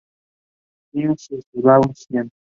Killing Is My Business...